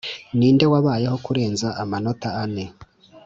ninde wabayeho kurenza amanota ane,